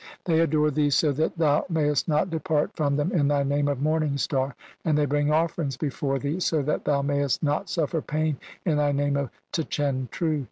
"They adore thee so that thou mayest not depart "from them in thy name of 'Morning Star' ; (3o) and "they bring [offerings] before thee so that thou mayest "not suffer pain in thy name of "Tchentru".